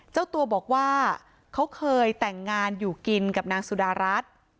เจ้าตัวบอกว่าเขาเคยแต่งงานอยู่กินกับนางสุดารัฐ